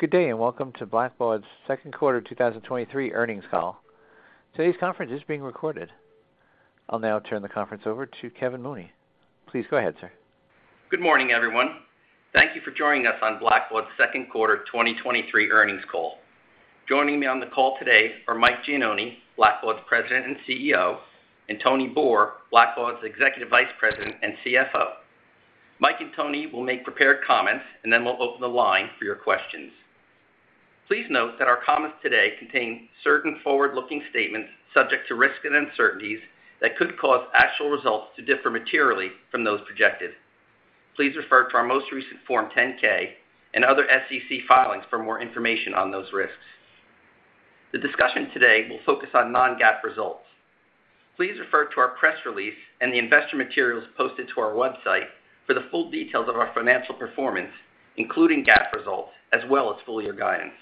Good day, and welcome to Blackbaud's 2nd quarter of 2023 earnings call. Today's conference is being recorded. I'll now turn the conference over to Kevin Mooney. Please go ahead, sir. Good morning, everyone. Thank you for joining us on Blackbaud's second quarter 2023 earnings call. Joining me on the call today are Mike Gianoni, Blackbaud's President and CEO, and Tony Boor, Blackbaud's Executive Vice President and CFO. Mike and Tony will make prepared comments. Then we'll open the line for your questions. Please note that our comments today contain certain forward-looking statements subject to risks and uncertainties that could cause actual results to differ materially from those projected. Please refer to our most recent Form 10-K and other SEC filings for more information on those risks. The discussion today will focus on non-GAAP results. Please refer to our press release and the investor materials posted to our website for the full details of our financial performance, including GAAP results, as well as full-year guidance.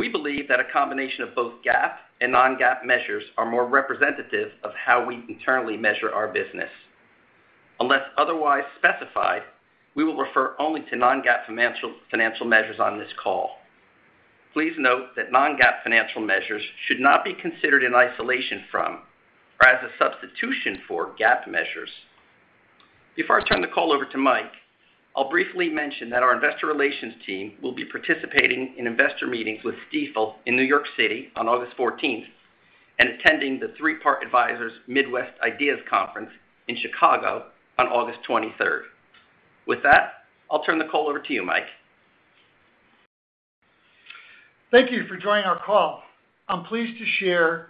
We believe that a combination of both GAAP and non-GAAP measures are more representative of how we internally measure our business. Unless otherwise specified, we will refer only to non-GAAP financial, financial measures on this call. Please note that non-GAAP financial measures should not be considered in isolation from or as a substitution for GAAP measures. Before I turn the call over to Mike, I'll briefly mention that our investor relations team will be participating in investor meetings with Stifel in New York City on August 14th, and attending the Three Part Advisors Midwest IDEAS Investor Conference in Chicago on August 23rd. With that, I'll turn the call over to you, Mike. Thank you for joining our call. I'm pleased to share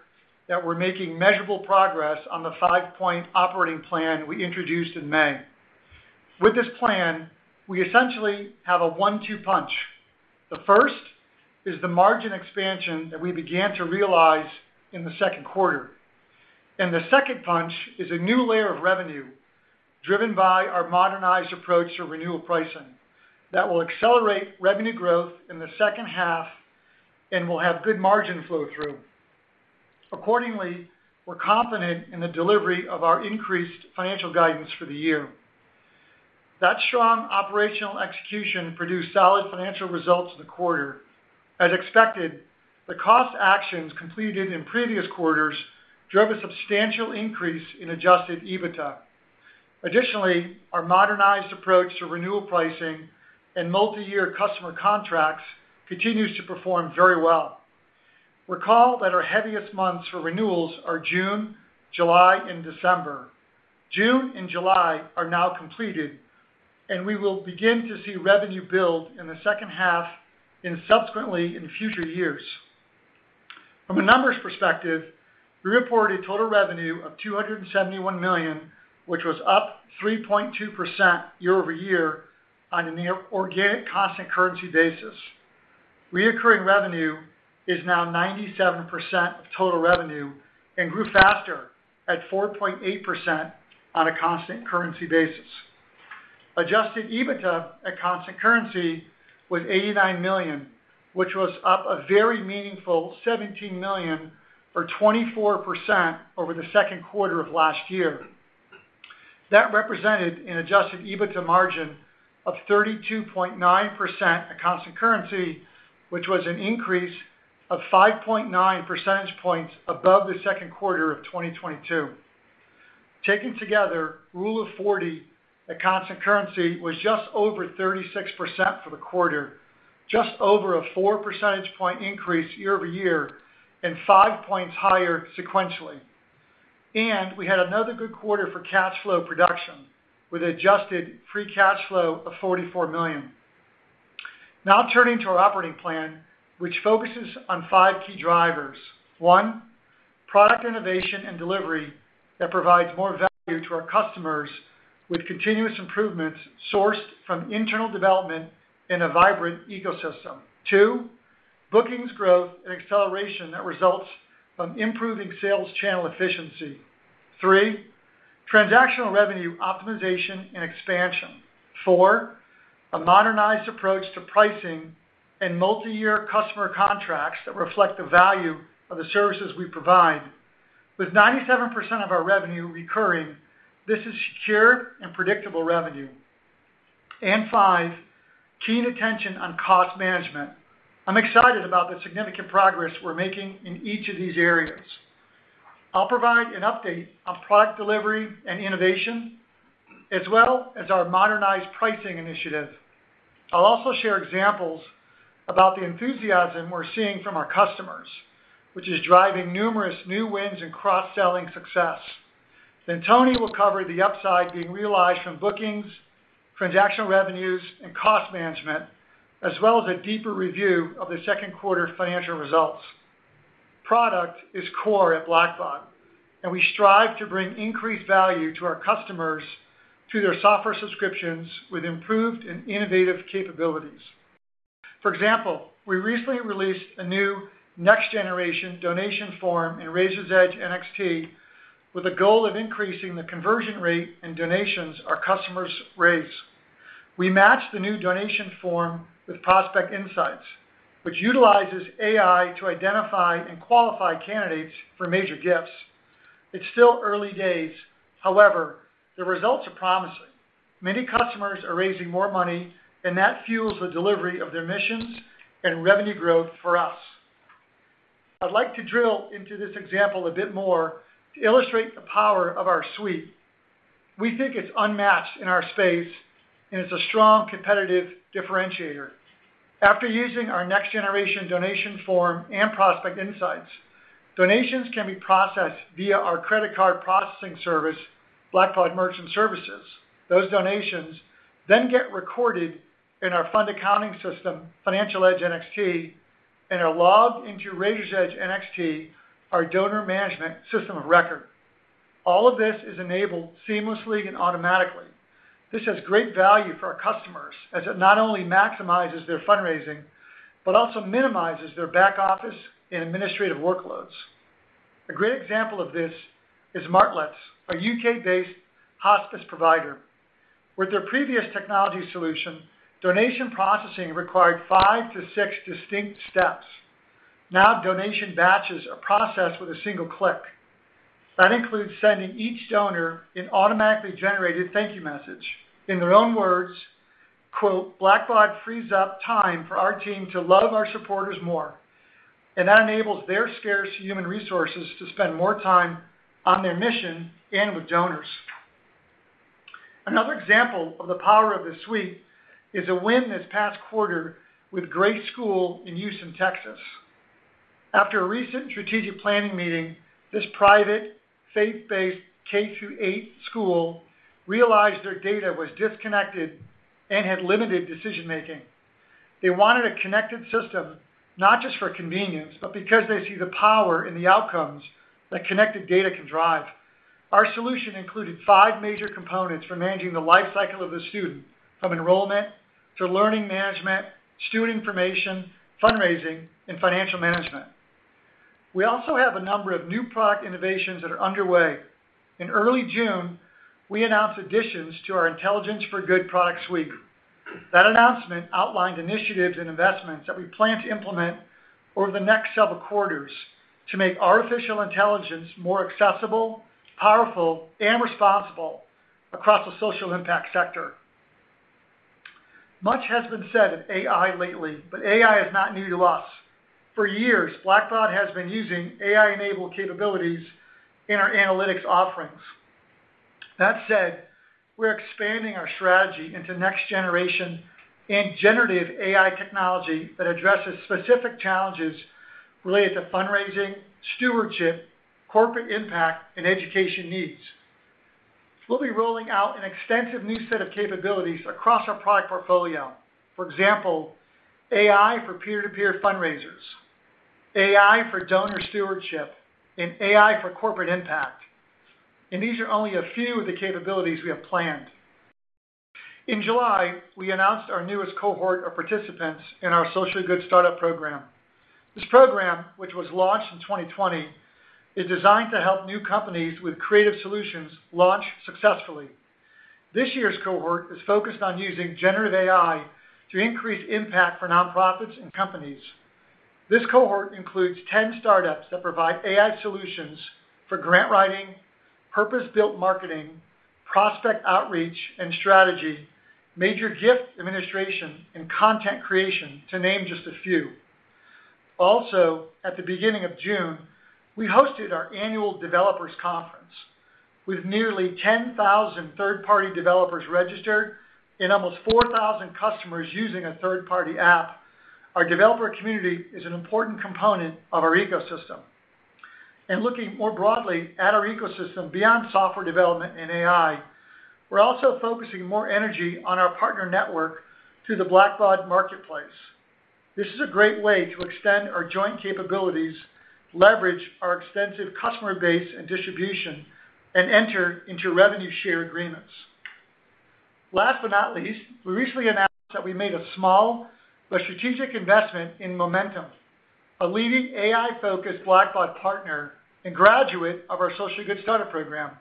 that we're making measurable progress on the five-point operating plan we introduced in May. With this plan, we essentially have a one-two punch. The first is the margin expansion that we began to realize in the second quarter. The second punch is a new layer of revenue, driven by our modernized approach to renewal pricing, that will accelerate revenue growth in the second half and will have good margin flow-through. Accordingly, we're confident in the delivery of our increased financial guidance for the year. That strong operational execution produced solid financial results in the quarter. As expected, the cost actions completed in previous quarters drove a substantial increase in Adjusted EBITDA. Additionally, our modernized approach to renewal pricing and multi-year customer contracts continues to perform very well. Recall that our heaviest months for renewals are June, July, and December. June and July are now completed. We will begin to see revenue build in the second half and subsequently in future years. From a numbers perspective, we reported total revenue of $271 million, which was up 3.2% year-over-year on an organic constant currency basis. Recurring revenue is now 97% of total revenue and grew faster at 4.8% on a constant currency basis. Adjusted EBITDA at constant currency was $89 million, which was up a very meaningful $17 million or 24% over the second quarter of last year. That represented an Adjusted EBITDA margin of 32.9% at constant currency, which was an increase of 5.9 percentage points above the second quarter of 2022. Taken together, Rule of 40 at constant currency was just over 36% for the quarter, just over a 4 percentage point increase year-over-year and five points higher sequentially. We had another good quarter for cash flow production, with Adjusted free cash flow of $44 million. Now turning to our operating plan, which focuses on five key drivers. one. product innovation and delivery that provides more value to our customers with continuous improvements sourced from internal development in a vibrant ecosystem. two. bookings, growth, and acceleration that results from improving sales channel efficiency. three. transactional revenue optimization and expansion. four. a modernized approach to pricing and multi-year customer contracts that reflect the value of the services we provide. With 97% of our revenue recurring, this is secure and predictable revenue. five. keen attention on cost management. I'm excited about the significant progress we're making in each of these areas. I'll provide an update on product delivery and innovation, as well as our modernized pricing initiative. I'll also share examples about the enthusiasm we're seeing from our customers, which is driving numerous new wins and cross-selling success. Tony will cover the upside being realized from bookings, transactional revenues, and cost management, as well as a deeper review of the second quarter financial results. Product is core at Blackbaud, and we strive to bring increased value to our customers through their software subscriptions with improved and innovative capabilities. For example, we recently released a new next-generation donation form in Raiser's Edge NXT with a goal of increasing the conversion rate in donations our customers raise. We matched the new donation form with Prospect Insights, which utilizes AI to identify and qualify candidates for major gifts. It's still early days. However, the results are promising. Many customers are raising more money, and that fuels the delivery of their missions and revenue growth for us. I'd like to drill into this example a bit more to illustrate the power of our suite. We think it's unmatched in our space, and it's a strong competitive differentiator. After using our next-generation donation form and Prospect Insights, donations can be processed via our credit card processing service, Blackbaud Merchant Services. Those donations then get recorded in our fund accounting system, Financial Edge NXT, and are logged into Raiser's Edge NXT, our donor management system of record. All of this is enabled seamlessly and automatically. This has great value for our customers, as it not only maximizes their fundraising, but also minimizes their back office and administrative workloads. A great example of this is Martlets, a UK-based hospice provider. With their previous technology solution, donation processing required 5 to 6 distinct steps. Now, donation batches are processed with a single click. That includes sending each donor an automatically generated thank you message. In their own words, "Blackbaud frees up time for our team to love our supporters more," and that enables their scarce human resources to spend more time on their mission and with donors. Another example of the power of this suite is a win this past quarter with Grace School in Houston, Texas. After a recent strategic planning meeting, this private, faith-based K-8 school realized their data was disconnected and had limited decision-making. They wanted a connected system, not just for convenience, but because they see the power in the outcomes that connected data can drive. Our solution included five major components for managing the lifecycle of a student, from enrollment to learning management, student information, fundraising, and financial management. We also have a number of new product innovations that are underway. In early June, we announced additions to our Intelligence for Good product suite. That announcement outlined initiatives and investments that we plan to implement over the next several quarters to make artificial intelligence more accessible, powerful, and responsible across the social impact sector. Much has been said of AI lately, but AI is not new to us. For years, Blackbaud has been using AI-enabled capabilities in our analytics offerings. That said, we're expanding our strategy into next-generation and generative AI technology that addresses specific challenges related to fundraising, stewardship, corporate impact, and education needs. We'll be rolling out an extensive new set of capabilities across our product portfolio. For example, AI for peer-to-peer fundraisers, AI for donor stewardship, and AI for corporate impact. These are only a few of the capabilities we have planned. In July, we announced our newest cohort of participants in our Social Good Startup Program. This program, which was launched in 2020, is designed to help new companies with creative solutions launch successfully. This year's cohort is focused on using generative AI to increase impact for nonprofits and companies. This cohort includes 10 startups that provide AI solutions for grant writing, purpose-built marketing, prospect outreach and strategy, major gift administration, and content creation, to name just a few. Also, at the beginning of June, we hosted our annual developers conference. With nearly 10,000 third-party developers registered and almost 4,000 customers using a third-party app, our developer community is an important component of our ecosystem. Looking more broadly at our ecosystem beyond software development and AI, we're also focusing more energy on our partner network through the Blackbaud Marketplace. This is a great way to extend our joint capabilities, leverage our extensive customer base and distribution, and enter into revenue share agreements. Last but not least, we recently announced that we made a small but strategic investment in Momentum, a leading AI-focused Blackbaud partner and graduate of our Social Good Startup Program.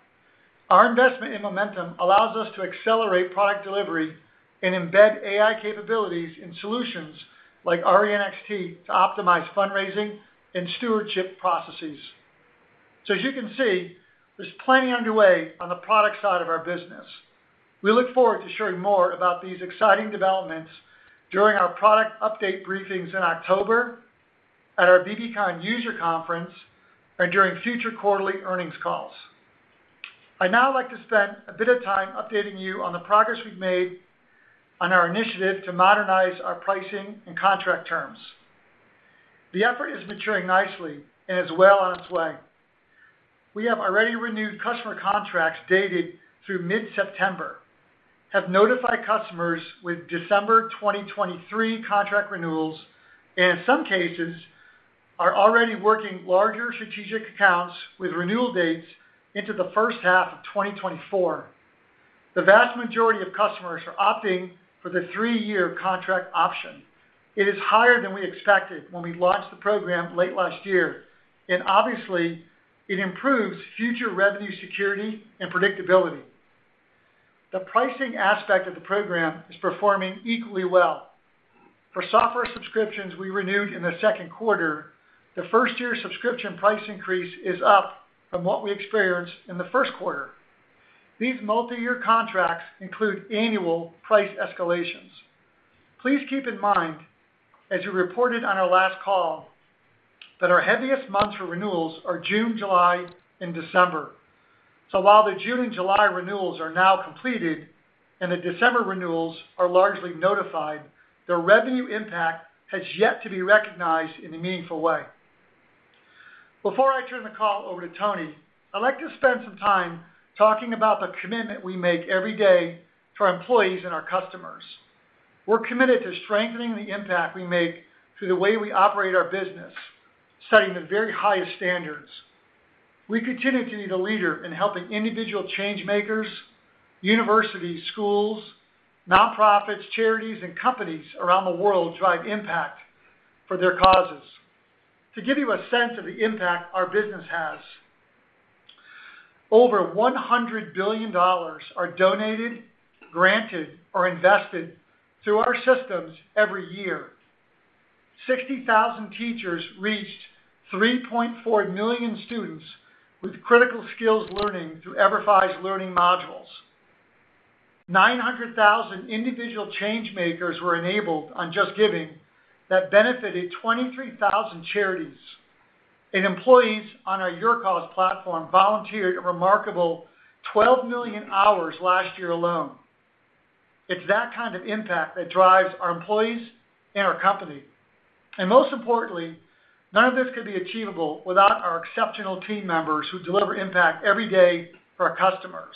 Our investment in Momentum allows us to accelerate product delivery and embed AI capabilities in solutions like RENXT to optimize fundraising and stewardship processes. As you can see, there's plenty underway on the product side of our business. We look forward to sharing more about these exciting developments during our product update briefings in October, at our bbcon user conference, and during future quarterly earnings calls. I'd now like to spend a bit of time updating you on the progress we've made on our initiative to modernize our pricing and contract terms. The effort is maturing nicely and is well on its way. We have already renewed customer contracts dated through mid-September, have notified customers with December 2023 contract renewals, and in some cases, are already working larger strategic accounts with renewal dates into the first half of 2024. The vast majority of customers are opting for the three-year contract option. It is higher than we expected when we launched the program late last year, and obviously, it improves future revenue security and predictability. The pricing aspect of the program is performing equally well. For software subscriptions we renewed in the 2Q, the first-year subscription price increase is up from what we experienced in the 1Q. These multiyear contracts include annual price escalations. Please keep in mind, as you reported on our last call, that our heaviest months for renewals are June, July, and December. While the June and July renewals are now completed and the December renewals are largely notified, the revenue impact has yet to be recognized in a meaningful way. Before I turn the call over to Tony, I'd like to spend some time talking about the commitment we make every day to our employees and our customers. We're committed to strengthening the impact we make through the way we operate our business, setting the very highest standards. We continue to be the leader in helping individual change makers, universities, schools, nonprofits, charities, and companies around the world drive impact for their causes. To give you a sense of the impact our business has, over $100 billion are donated, granted, or invested through our systems every year. 60,000 teachers reached 3.4 million students with critical skills learning through EverFi's learning modules. 900,000 individual change makers were enabled on JustGiving that benefited 23,000 charities. Employees on our YourCause platform volunteered a remarkable 12 million hours last year alone. It's that kind of impact that drives our employees and our company, and most importantly, none of this could be achievable without our exceptional team members who deliver impact every day for our customers.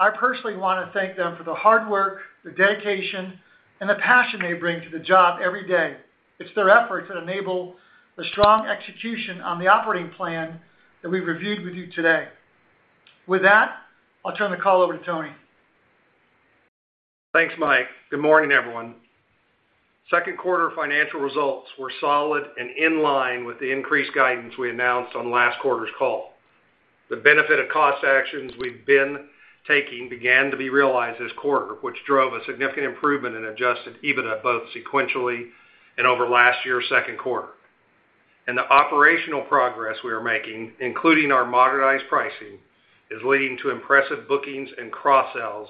I personally want to thank them for the hard work, the dedication, and the passion they bring to the job every day. It's their efforts that enable the strong execution on the operating plan that we've reviewed with you today. With that, I'll turn the call over to Tony. Thanks, Mike. Good morning, everyone. Second quarter financial results were solid and in line with the increased guidance we announced on last quarter's call. The benefit of cost actions we've been taking began to be realized this quarter, which drove a significant improvement in Adjusted EBITDA, both sequentially and over last year's second quarter. The operational progress we are making, including our modernized pricing, is leading to impressive bookings and cross-sells,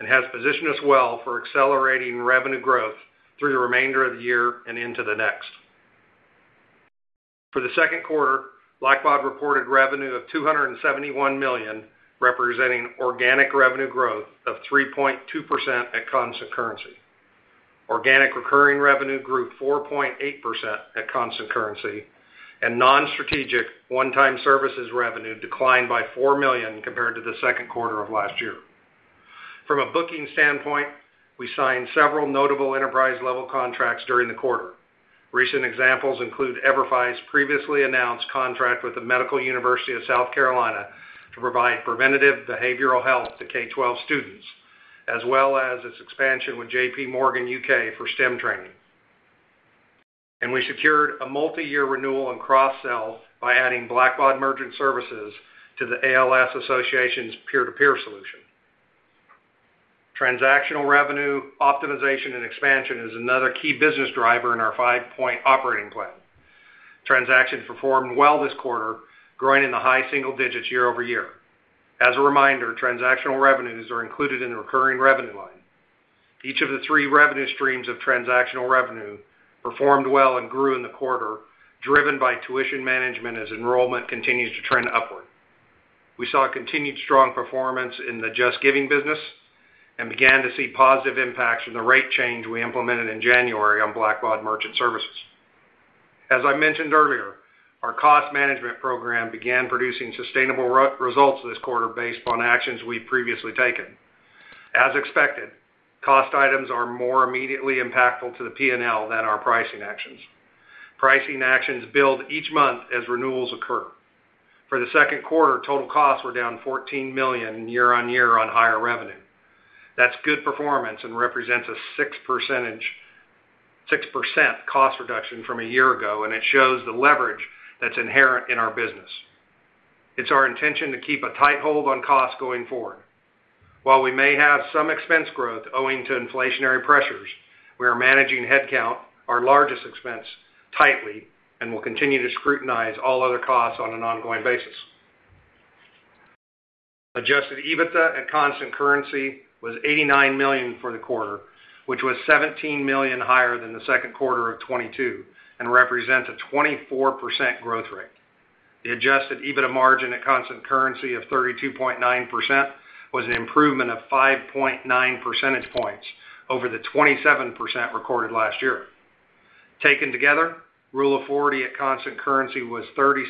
and has positioned us well for accelerating revenue growth through the remainder of the year and into the next. For the second quarter, Blackbaud reported revenue of $271 million, representing organic revenue growth of 3.2% at constant currency. Organic recurring revenue grew 4.8% at constant currency, and non-strategic one-time services revenue declined by $4 million compared to the second quarter of last year. From a booking standpoint, we signed several notable enterprise-level contracts during the quarter. Recent examples include EverFi's previously announced contract with the Medical University of South Carolina to provide preventative behavioral health to K-12 students, as well as its expansion with J.P. Morgan UK for STEM training. We secured a multiyear renewal and cross-sell by adding Blackbaud Merchant Services to The ALS Association's peer-to-peer solution. Transactional revenue, optimization, and expansion is another key business driver in our five-point operating plan. Transactions performed well this quarter, growing in the high single digits year-over-year. As a reminder, transactional revenues are included in the recurring revenue line. Each of the three revenue streams of transactional revenue performed well and grew in the quarter, driven by tuition management as enrollment continues to trend upward. We saw a continued strong performance in the JustGiving business and began to see positive impacts from the rate change we implemented in January on Blackbaud Merchant Services. As I mentioned earlier, our cost management program began producing sustainable results this quarter based on actions we've previously taken. As expected, cost items are more immediately impactful to the P&L than our pricing actions. Pricing actions build each month as renewals occur. For the second quarter, total costs were down $14 million year-on-year on higher revenue. That's good performance and represents a 6% cost reduction from a year ago, and it shows the leverage that's inherent in our business. It's our intention to keep a tight hold on costs going forward. While we may have some expense growth owing to inflationary pressures, we are managing headcount, our largest expense, tightly and will continue to scrutinize all other costs on an ongoing basis. Adjusted EBITDA at constant currency was $89 million for the quarter, which was $17 million higher than the second quarter of 2022 and represents a 24% growth rate. The Adjusted EBITDA margin at constant currency of 32.9% was an improvement of 5.9 percentage points over the 27% recorded last year. Taken together, Rule of 40 at constant currency was 36%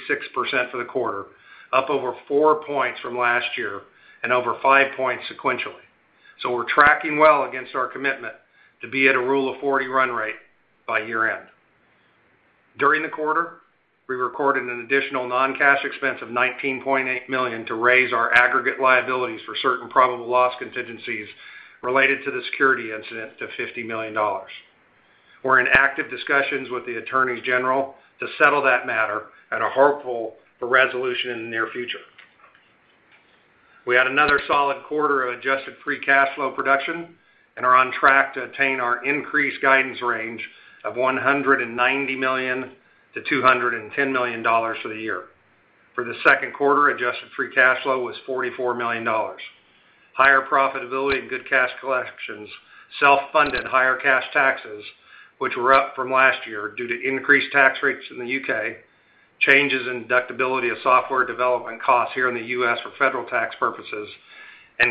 for the quarter, up over 4 points from last year and over 5 points sequentially. We're tracking well against our commitment to be at a Rule of 40 run rate by year-end. During the quarter, we recorded an additional non-cash expense of $19.8 million to raise our aggregate liabilities for certain probable loss contingencies related to the security incident to $50 million. We're in active discussions with the attorney general to settle that matter and are hopeful for resolution in the near future. We had another solid quarter of Adjusted free cash flow production and are on track to attain our increased guidance range of $190 million-$210 million for the year. For the second quarter, Adjusted free cash flow was $44 million. Higher profitability and good cash collections, self-funded higher cash taxes, which were up from last year due to increased tax rates in the UK, changes in deductibility of software development costs here in the US for federal tax purposes,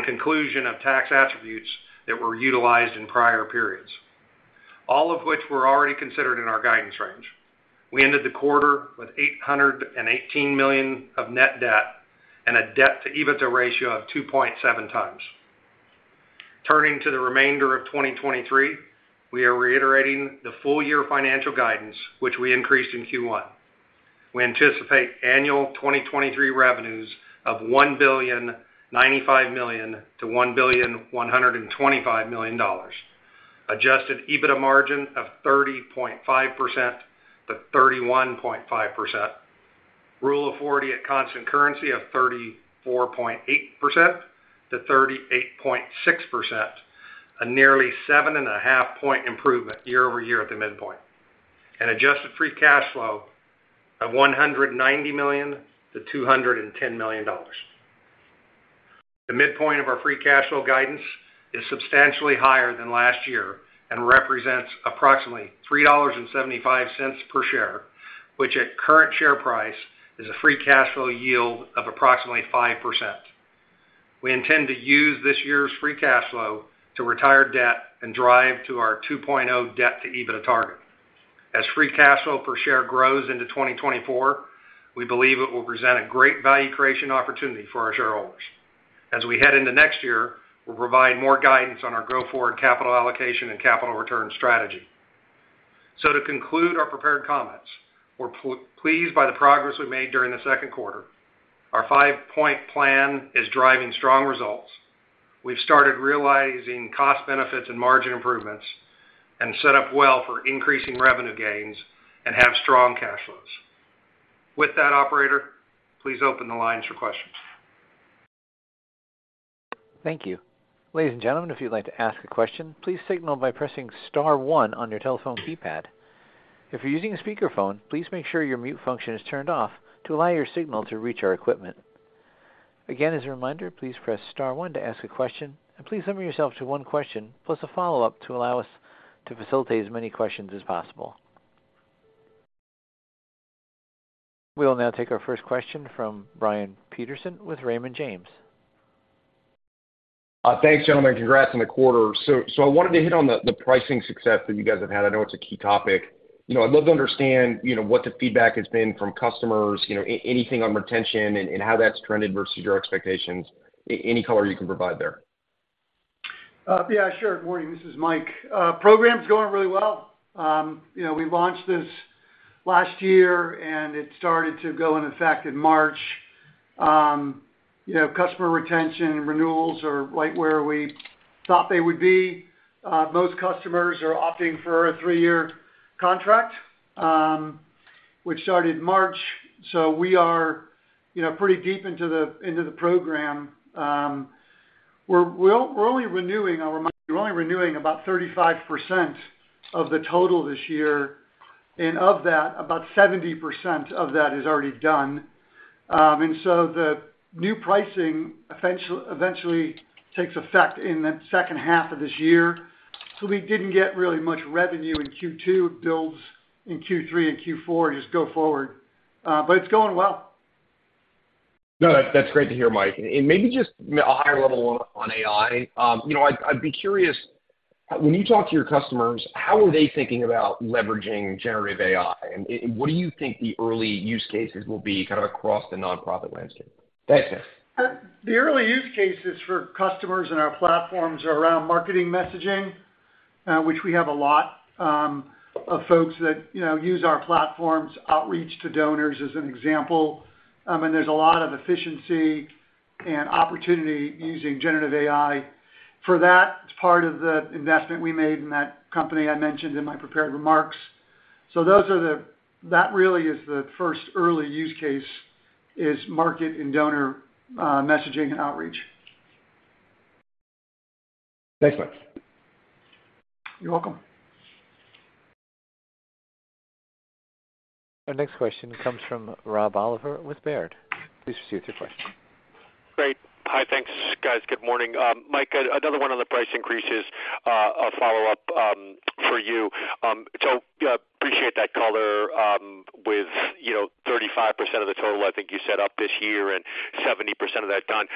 conclusion of tax attributes that were utilized in prior periods, all of which were already considered in our guidance range. We ended the quarter with $818 million of net debt and a debt to EBITDA ratio of 2.7 times. Turning to the remainder of 2023, we are reiterating the full year financial guidance, which we increased in Q1. We anticipate annual 2023 revenues of $1.095 billion-$1.125 billion. Adjusted EBITDA margin of 30.5%-31.5%. Rule of 40 at constant currency of 34.8%-38.6%, a nearly 7.5 point improvement year-over-year at the midpoint. Adjusted free cash flow of $190 million-$210 million. The midpoint of our free cash flow guidance is substantially higher than last year and represents approximately $3.75 per share, which at current share price, is a free cash flow yield of approximately 5%. We intend to use this year's free cash flow to retire debt and drive to our 2.0 debt to EBITDA target. As free cash flow per share grows into 2024, we believe it will present a great value creation opportunity for our shareholders. As we head into next year, we'll provide more guidance on our go-forward capital allocation and capital return strategy. To conclude our prepared comments, we're pleased by the progress we've made during the second quarter. Our five-point plan is driving strong results. We've started realizing cost benefits and margin improvements, and set up well for increasing revenue gains and have strong cash flows. With that, operator, please open the lines for questions. Thank you. Ladies and gentlemen, if you'd like to ask a question, please signal by pressing star one on your telephone keypad. If you're using a speakerphone, please make sure your mute function is turned off to allow your signal to reach our equipment. Again, as a reminder, please press star one to ask a question, and please limit yourself to one question, plus a follow-up, to allow us to facilitate as many questions as possible. We'll now take our first question from Brian Peterson with Raymond James. Thanks, gentlemen. Congrats on the quarter. I wanted to hit on the pricing success that you guys have had. I know it's a key topic. You know, I'd love to understand, you know, what the feedback has been from customers, you know, anything on retention and how that's trended versus your expectations. Any color you can provide there? Yeah, sure. Morning, this is Mike. Program's going really well. You know, we launched this last year, and it started to go in effect in March. You know, customer retention and renewals are right where we thought they would be. Most customers are opting for a three-year contract, which started March, so we are, you know, pretty deep into the, into the program. We're, we're only renewing about 35% of the total this year, and of that, about 70% of that is already done. The new pricing eventually takes effect in the second half of this year, so we didn't get really much revenue in Q2. It builds in Q3 and Q4, just go forward, it's going well. No, that's great to hear, Mike. Maybe just a higher level on AI. You know, I'd, I'd be curious, when you talk to your customers, how are they thinking about leveraging Generative AI? What do you think the early use cases will be kind of across the nonprofit landscape? Thanks, guys. The early use cases for customers in our platforms are around marketing messaging, which we have a lot, of folks that, you know, use our platforms, outreach to donors, as an example. There's a lot of efficiency and opportunity using generative AI. For that, it's part of the investment we made in that company I mentioned in my prepared remarks. Those are the that really is the first early use case, is market and donor messaging and outreach. Thanks, Mike. You're welcome. Our next question comes from Rob Oliver with Baird. Please proceed with your question. Great. Hi, thanks, guys. Good morning. Mike, another one on the price increases, a follow-up for you. Appreciate that color, with, you know, 35% of the total, I think you said, up this year and 70% of that done.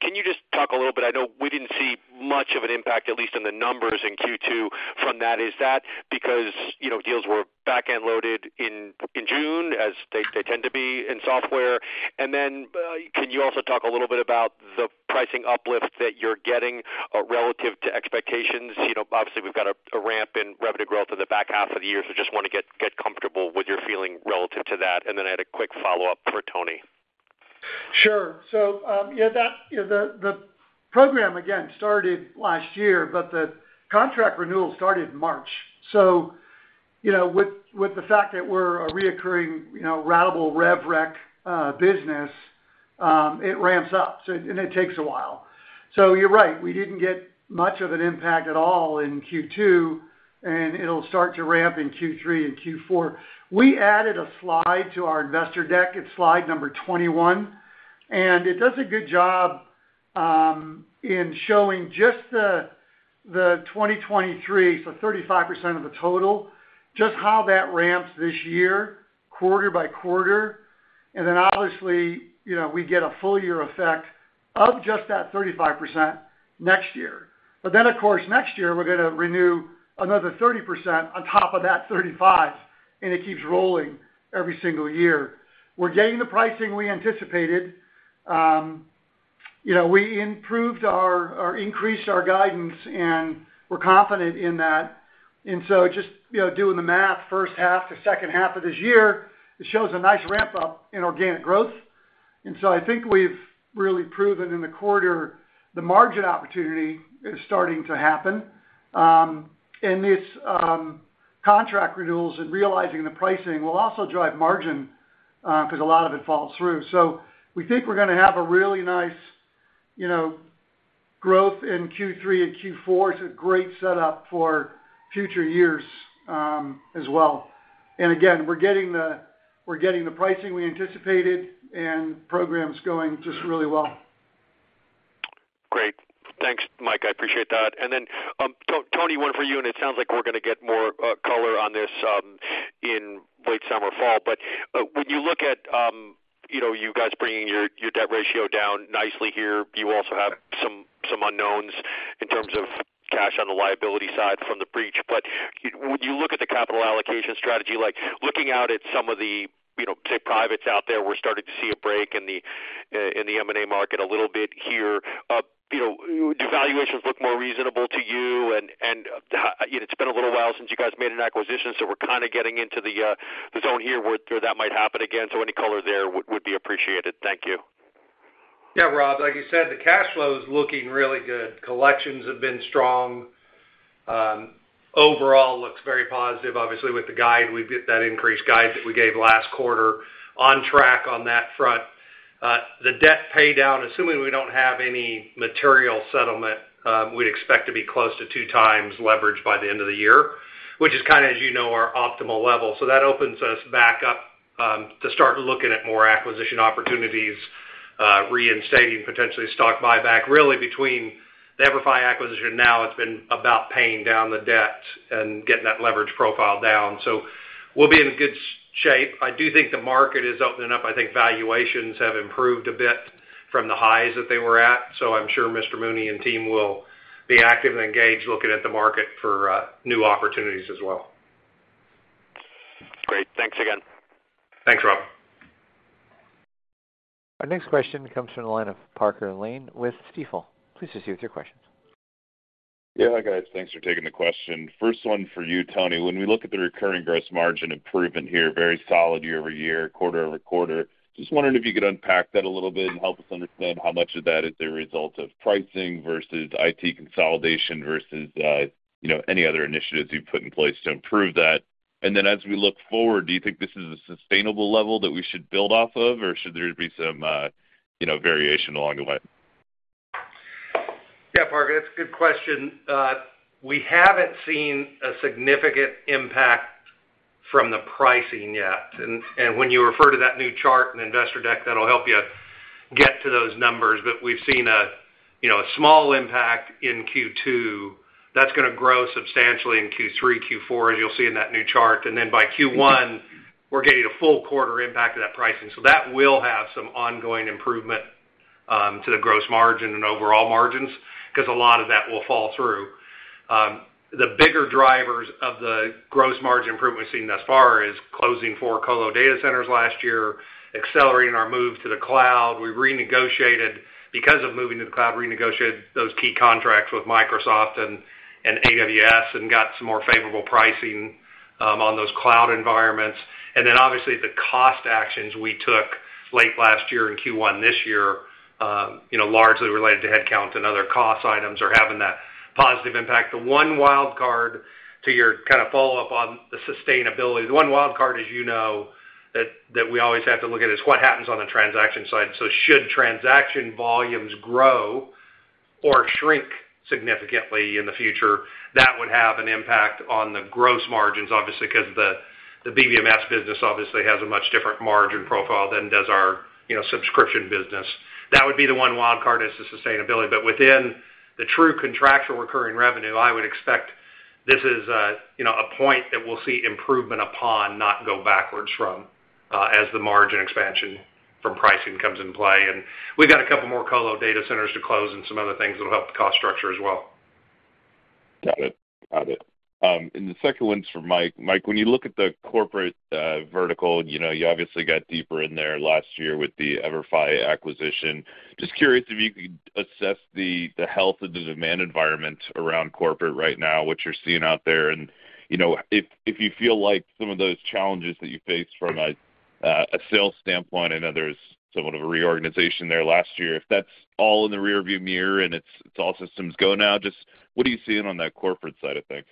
Can you just talk a little bit? I know we didn't see much of an impact, at least in the numbers in Q2 from that. Is that because, you know, deals were back-end loaded in, in June, as they, they tend to be in software? Can you also talk a little bit about the pricing uplift that you're getting, relative to expectations? You know, obviously, we've got a, a ramp in revenue growth in the back half of the year, so just want to get, get comfortable with your feeling relative to that. Then I had a quick follow-up for Tony. Sure. Yeah, that, you know, the, the program again started last year, but the contract renewal started in March. You know, with, with the fact that we're a reoccurring, you know, ratable rev rec business, it ramps up, so and it takes a while. You're right, we didn't get much of an impact at all in Q2, and it'll start to ramp in Q3 and Q4. We added a slide to our investor deck. It's slide number 21, and it does a good job in showing just the, the 2023, so 35% of the total, just how that ramps this year, quarter by quarter. Then obviously, you know, we get a full year effect of just that 35% next year. Of course, next year, we're gonna renew another 30% on top of that 35, and it keeps rolling every single year. We're getting the pricing we anticipated. You know, we improved our, or increased our guidance, and we're confident in that. Just, you know, doing the math, first half to second half of this year, it shows a nice ramp-up in organic growth. I think we've really proven in the quarter, the margin opportunity is starting to happen. And it's contract renewals and realizing the pricing will also drive margin because a lot of it falls through. We think we're gonna have a really nice, you know, growth in Q3 and Q4. It's a great setup for future years as well. Again, we're getting the pricing we anticipated, and the program's going just really well. Great. Thanks, Mike. I appreciate that. Tony, one for you, and it sounds like we're gonna get more color on this in late summer, fall. When you look at, you know, you guys bringing your debt ratio down nicely here, you also have some unknowns in terms of cash on the liability side from the breach. When you look at the capital allocation strategy, like looking out at some of the, you know, say, privates out there, we're starting to see a break in the M&A market a little bit here. Do valuations look more reasonable to you? It's been a little while since you guys made an acquisition, so we're kind of getting into the zone here where that might happen again. Any color there would, would be appreciated. Thank you. Yeah, Rob, like you said, the cash flow is looking really good. Collections have been strong. Overall, looks very positive. Obviously, with the guide, we've got that increased guide that we gave last quarter on track on that front. The debt paydown, assuming we don't have any material settlement, we'd expect to be close to 2 times leverage by the end of the year, which is kind of, as you know, our optimal level. That opens us back up to start looking at more acquisition opportunities, reinstating potentially stock buyback. Between the EverFi acquisition, now it's been about paying down the debt and getting that leverage profile down. We'll be in good shape. I do think the market is opening up. I think valuations have improved a bit from the highs that they were at, so I'm sure Kevin Mooney and team will be active and engaged, looking at the market for new opportunities as well. Great. Thanks again. Thanks, Rob. Our next question comes from the line of Parker Lane with Stifel. Please proceed with your questions. Yeah, hi, guys. Thanks for taking the question. First one for you, Tony. When we look at the recurring gross margin improvement here, very solid year-over-year, quarter-over-quarter. Just wondering if you could unpack that a little bit and help us understand how much of that is a result of pricing versus IT consolidation versus, you know, any other initiatives you've put in place to improve that. Then as we look forward, do you think this is a sustainable level that we should build off of, or should there be some, you know, variation along the way? Yeah, Parker, that's a good question. We haven't seen a significant impact from the pricing yet. When you refer to that new chart and investor deck, that'll help you get to those numbers. We've seen a, you know, a small impact in Q2. That's gonna grow substantially in Q3, Q4, as you'll see in that new chart. Then by Q1, we're getting a full quarter impact of that pricing. That will have some ongoing improvement to the gross margin and overall margins because a lot of that will fall through. The bigger drivers of the gross margin improvement we've seen thus far is closing four colo data centers last year, accelerating our move to the cloud. We renegotiated. Because of moving to the cloud, renegotiated those key contracts with Microsoft and AWS and got some more favorable pricing on those cloud environments. Then obviously, the cost actions we took late last year in Q1 this year, you know, largely related to headcount and other cost items, are having that positive impact. The one wildcard to your kind of follow-up on the sustainability, the one wildcard, as you know, that we always have to look at, is what happens on the transaction side. Should transaction volumes grow or shrink significantly in the future, that would have an impact on the gross margins, obviously, because the BBMS business obviously has a much different margin profile than does our, you know, subscription business. That would be the one wildcard as to sustainability. Within the true contractual recurring revenue, I would expect this is a, you know, a point that we'll see improvement upon, not go backwards from, as the margin expansion from pricing comes in play. We've got 2 more colo data centers to close and some other things that'll help the cost structure as well. Got it. Got it. The second one's for Mike. Mike, when you look at the corporate vertical, you know, you obviously got deeper in there last year with the EverFi acquisition. Just curious if you could assess the, the health of the demand environment around corporate right now, what you're seeing out there, and, you know, if, if you feel like some of those challenges that you faced from I- A sales standpoint. I know there's somewhat of a reorganization there last year. If that's all in the rearview mirror, and it's, it's all systems go now, just what are you seeing on that corporate side of things?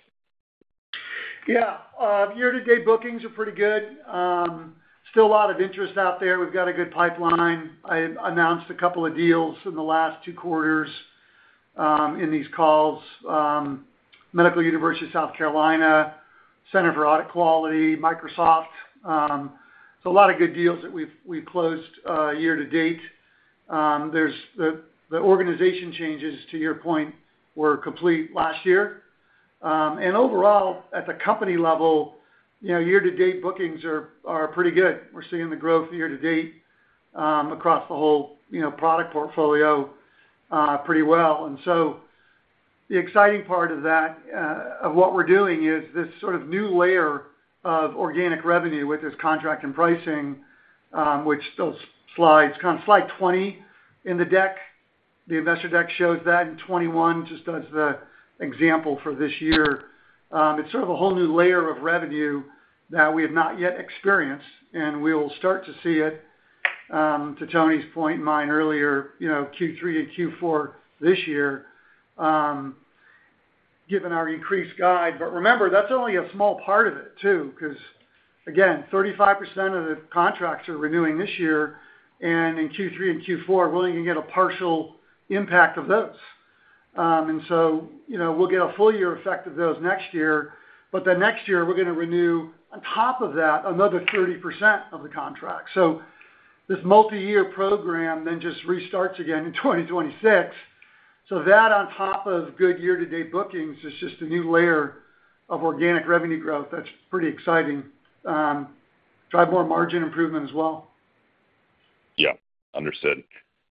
Yeah, year-to-date bookings are pretty good. Still a lot of interest out there. We've got a good pipeline. I announced a couple of deals in the last 2 quarters, in these calls. Medical University of South Carolina, Center for Audit Quality, Microsoft. A lot of good deals that we've, we've closed, year to date. There's the, the organization changes, to your point, were complete last year. Overall, at the company level, you know, year-to-date bookings are, are pretty good. We're seeing the growth year to date, across the whole, you know, product portfolio, pretty well. The exciting part of that, of what we're doing is this sort of new layer of organic revenue with this contract and pricing, which those slides, kind of Slide 20 in the deck, the investor deck shows that, and 21, just as the example for this year. It's sort of a whole new layer of revenue that we have not yet experienced, and we'll start to see it, to Tony's point and mine earlier, you know, Q3 and Q4 this year, given our increased guide. Remember, that's only a small part of it, too, 'cause, again, 35% of the contracts are renewing this year, and in Q3 and Q4, we're only gonna get a partial impact of those. So, you know, we'll get a full year effect of those next year, but the next year, we're gonna renew, on top of that, another 30% of the contract. This multiyear program then just restarts again in 2026. That on top of good year-to-date bookings is just a new layer of organic revenue growth that's pretty exciting, drive more margin improvement as well. Yeah, understood.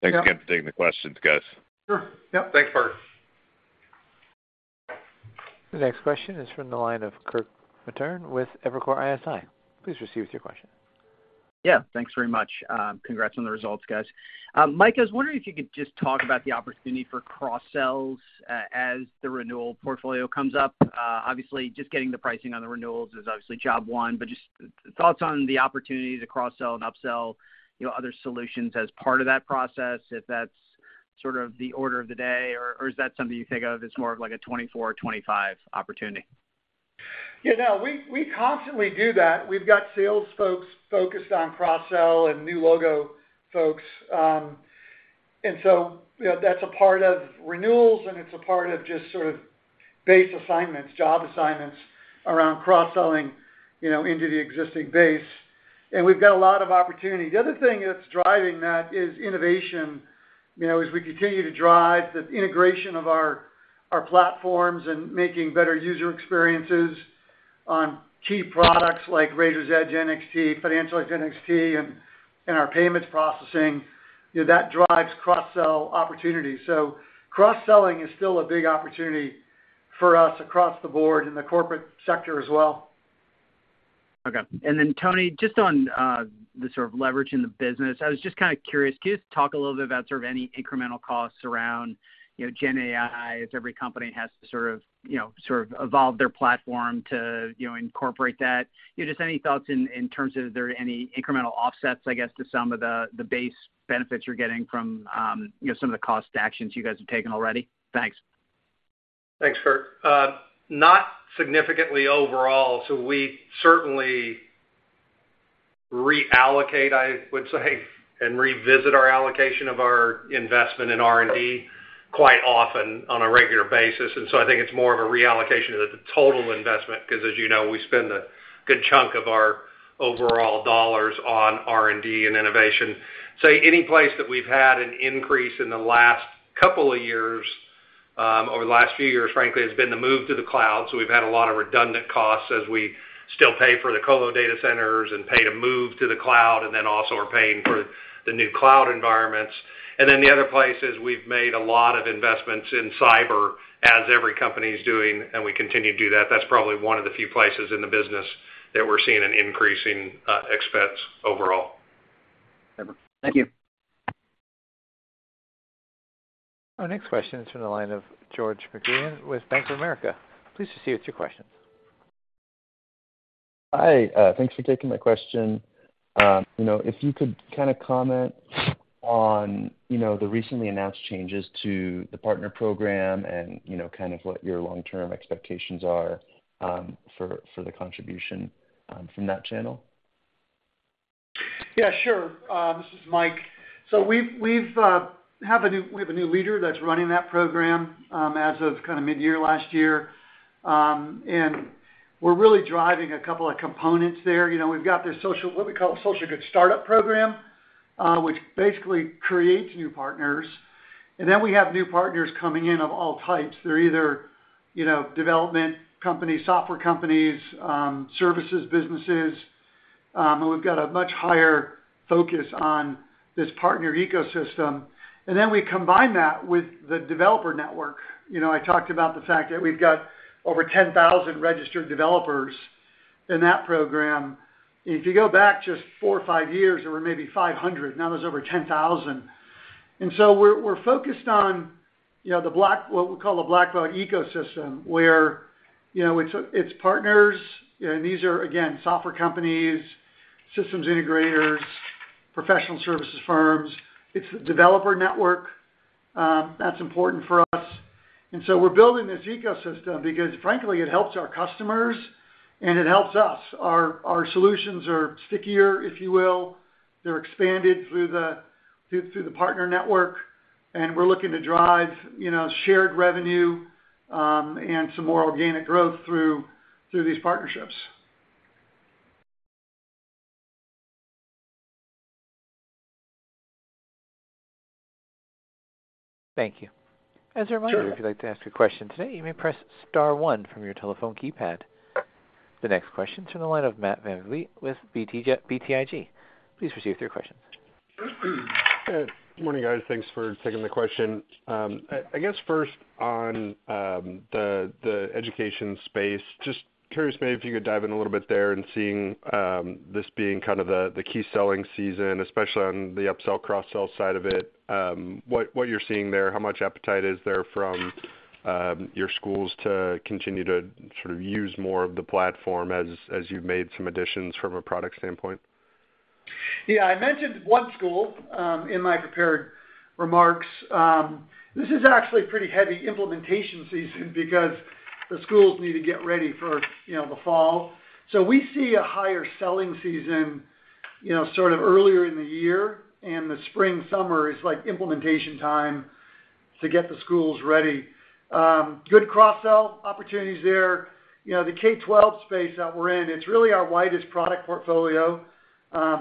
Yeah. Thanks again for taking the questions, guys. Sure. Yep. Thanks, Parker. The next question is from the line of Kirk Materne with Evercore ISI. Please proceed with your question. Yeah, thanks very much. Congrats on the results, guys. Mike, I was wondering if you could just talk about the opportunity for cross-sells as the renewal portfolio comes up. Obviously, just getting the pricing on the renewals is obviously job one, but just thoughts on the opportunity to cross-sell and upsell, you know, other solutions as part of that process, if that's sort of the order of the day, or, or is that something you think of as more of like a 2024 or 2025 opportunity? Yeah, no, we, we constantly do that. We've got sales folks focused on cross-sell and new logo folks. So, you know, that's a part of renewals, and it's a part of just sort of base assignments, job assignments around cross-selling, you know, into the existing base. We've got a lot of opportunity. The other thing that's driving that is innovation. You know, as we continue to drive the integration of our, our platforms and making better user experiences on key products like Raiser's Edge NXT, Financial Edge NXT, and, and our payments processing, you know, that drives cross-sell opportunities. Cross-selling is still a big opportunity for us across the board in the corporate sector as well. Okay. Then, Tony, just on the sort of leverage in the business, I was just kind of curious, can you just talk a little bit about sort of any incremental costs around, you know, GenAI, as every company has to sort of, you know, sort of evolve their platform to, you know, incorporate that? You know, just any thoughts in, in terms of, is there any incremental offsets, I guess, to some of the, the base benefits you're getting from, you know, some of the cost actions you guys have taken already? Thanks. Thanks, Kirk. Not significantly overall. We certainly reallocate, I would say, and revisit our allocation of our investment in R&D quite often on a regular basis. I think it's more of a reallocation of the total investment, 'cause as you know, we spend a good chunk of our overall dollars on R&D and innovation. Any place that we've had an increase in the last couple of years, over the last few years, frankly, has been the move to the cloud. We've had a lot of redundant costs as we still pay for the colo data centers and pay to move to the cloud, and then also are paying for the new cloud environments. Then the other place is we've made a lot of investments in cyber, as every company is doing, and we continue to do that. That's probably one of the few places in the business that we're seeing an increase in expense overall. Thank you. Our next question is from the line of George McGreehan with Bank of America. Please proceed with your question. Hi, thanks for taking my question. You know, if you could kind of comment on, you know, the recently announced changes to the partner program and, you know, kind of what your long-term expectations are for, for the contribution from that channel? Yeah, sure. This is Mike. We've, we've we have a new leader that's running that program, as of kind of midyear last year. We're really driving a couple of components there. You know, we've got this Social Good Startup Program, which basically creates new partners, and then we have new partners coming in of all types. They're either, you know, development companies, software companies, services, businesses, and we've got a much higher focus on this partner ecosystem. We combine that with the developer network. You know, I talked about the fact that we've got over 10,000 registered developers in that program. If you go back just four or five years, there were maybe 500. Now, there's over 10,000. We're, we're focused on- you know, the Blackbaud, what we call the Blackbaud ecosystem, where, you know, it's, it's partners, and these are, again, software companies, systems integrators, professional services firms. It's a developer network that's important for us. So we're building this ecosystem because, frankly, it helps our customers, and it helps us. Our, our solutions are stickier, if you will. They're expanded through the, through, through the partner network, and we're looking to drive, you know, shared revenue, and some more organic growth through, through these partnerships. Thank you. Sure. As a reminder, if you'd like to ask a question today, you may press star one from your telephone keypad. The next question is from the line of Matt VanVliet with BTIG. Please proceed with your question. Good morning, guys. Thanks for taking the question. I, I guess, first on, the, the education space, just curious, maybe if you could dive in a little bit there and seeing, this being kind of the, the key selling season, especially on the upsell, cross-sell side of it, what, what you're seeing there, how much appetite is there from, your schools to continue to sort of use more of the platform as, as you've made some additions from a product standpoint? Yeah, I mentioned one school in my prepared remarks. This is actually a pretty heavy implementation season because the schools need to get ready for, you know, the fall. We see a higher selling season, you know, sort of earlier in the year, and the spring, summer is like implementation time to get the schools ready. Good cross-sell opportunities there. You know, the K-12 space that we're in, it's really our widest product portfolio.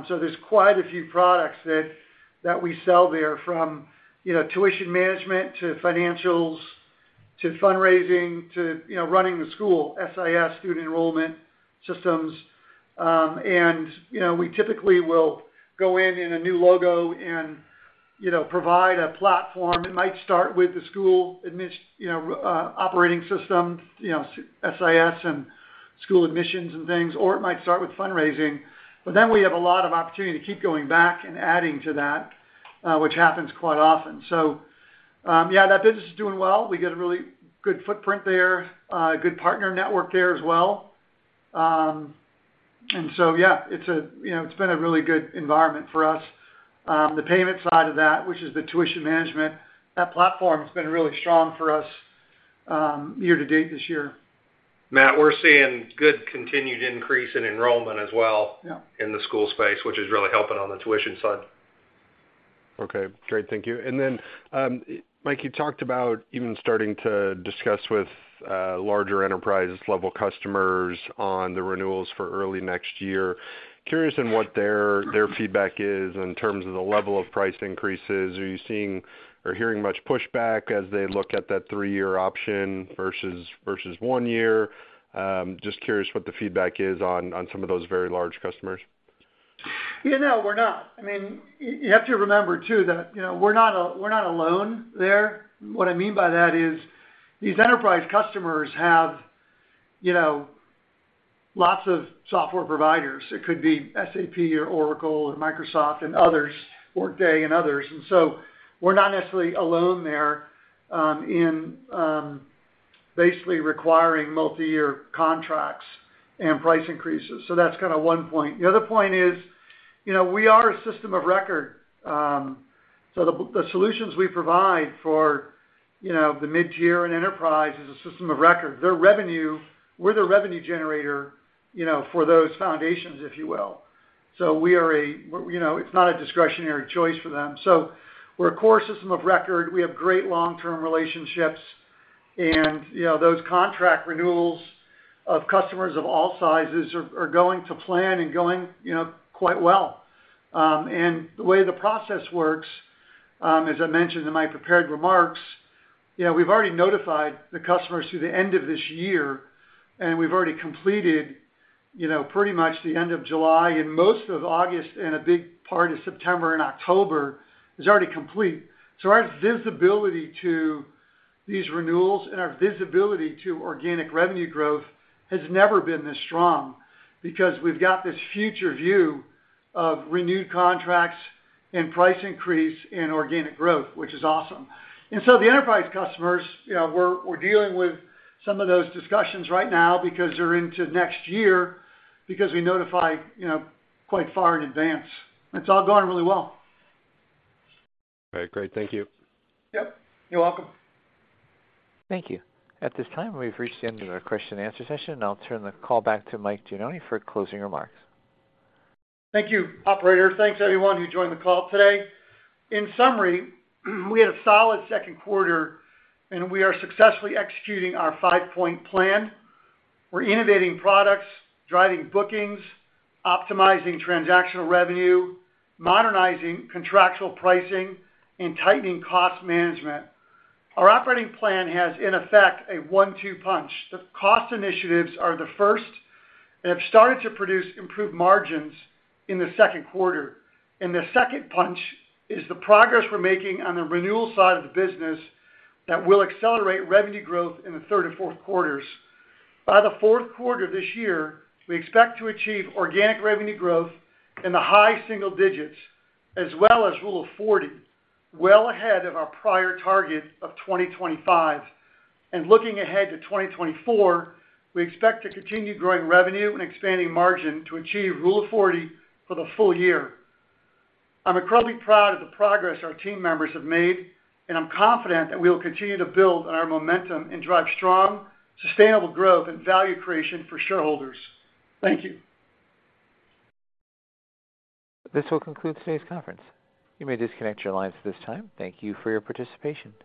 There's quite a few products that, that we sell there, from, you know, tuition management to financials to fundraising, to, you know, running the school, SIS, student enrollment systems. You know, we typically will go in in a new logo and, you know, provide a platform. It might start with the school operating system, you know, SIS and school admissions and things, or it might start with fundraising. We have a lot of opportunity to keep going back and adding to that, which happens quite often. Yeah, that business is doing well. We get a really good footprint there, a good partner network there as well. Yeah, it's a, you know, it's been a really good environment for us. The payment side of that, which is the tuition management, that platform's been really strong for us, year to date this year. Matt, we're seeing good continued increase in enrollment as well- Yeah In the school space, which is really helping on the tuition side. Okay, great. Thank you. Then Mike, you talked about even starting to discuss with larger enterprise-level customers on the renewals for early next year. Curious on what their, their feedback is in terms of the level of price increases. Are you seeing or hearing much pushback as they look at that three-year option versus, versus one year? Just curious what the feedback is on some of those very large customers. Yeah, no, we're not. I mean, you have to remember, too, that, you know, we're not alone there. What I mean by that is, these enterprise customers have, you know, lots of software providers. It could be SAP or Oracle or Microsoft and others, Workday and others. So we're not necessarily alone there in basically requiring multiyear contracts and price increases. That's kinda one point. The other point is, you know, we are a system of record. The solutions we provide for, you know, the mid-tier and enterprise is a system of record. Their revenue, we're the revenue generator, you know, for those foundations, if you will. We are, you know, it's not a discretionary choice for them. We're a core system of record. We have great long-term relationships, and, you know, those contract renewals of customers of all sizes are, are going to plan and going, you know, quite well. The way the process works, as I mentioned in my prepared remarks, you know, we've already notified the customers through the end of this year, and we've already completed, you know, pretty much the end of July and most of August, and a big part of September and October is already complete. Our visibility to these renewals and our visibility to organic revenue growth has never been this strong because we've got this future view of renewed contracts and price increase and organic growth, which is awesome. The enterprise customers, you know, we're, we're dealing with some of those discussions right now because they're into next year, because we notify, you know, quite far in advance. It's all going really well. Great, great. Thank you. Yep, you're welcome. Thank you. At this time, we've reached the end of our question and answer session. I'll turn the call back to Mike Gianoni for closing remarks. Thank you, operator. Thanks to everyone who joined the call today. In summary, we had a solid 2nd quarter, we are successfully executing our 5-point plan. We're innovating products, driving bookings, optimizing transactional revenue, modernizing contractual pricing, and tightening cost management. Our operating plan has, in effect, a 1-2 punch. The cost initiatives are the first and have started to produce improved margins in the 2nd quarter. The 2nd punch is the progress we're making on the renewal side of the business that will accelerate revenue growth in the 3rd and 4th quarters. By the 4th quarter of this year, we expect to achieve organic revenue growth in the high single digits, as well as Rule of 40, well ahead of our prior target of 2025. Looking ahead to 2024, we expect to continue growing revenue and expanding margin to achieve Rule of 40 for the full year. I'm incredibly proud of the progress our team members have made, and I'm confident that we will continue to build on our momentum and drive strong, sustainable growth and value creation for shareholders. Thank you. This will conclude today's conference. You may disconnect your lines at this time. Thank you for your participation.